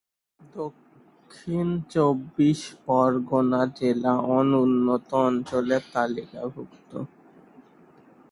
দক্ষিণ চব্বিশ পরগনা জেলা অনুন্নত অঞ্চলের তালিকাভুক্ত।